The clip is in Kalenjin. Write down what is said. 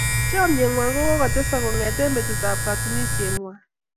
Chomnyeng'wai ko kokotesak kong'ete betutab katunisyeng'wai.